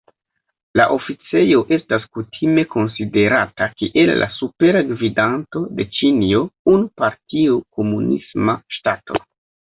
La oficejo estas kutime konsiderata kiel la Supera Gvidanto de Ĉinio, unu-partio komunisma ŝtato.